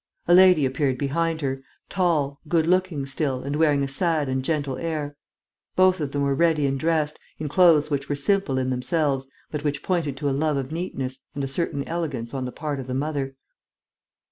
A lady appeared behind her, tall, good looking still and wearing a sad and gentle air. Both of them were ready and dressed, in clothes which were simple in themselves, but which pointed to a love of neatness and a certain elegance on the part of the mother.